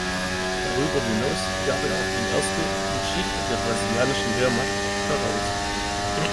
Darüber hinaus gab er auch die erste „Geschichte der brasilianischen Wehrmacht“ heraus.